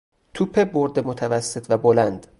توپ برد متوسط و بلند